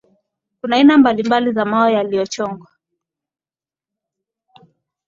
kuna aina mbalimbali za mawe yaliyochongwa